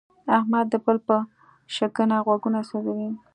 احمد د بل په شکنه غوږونه سوزي.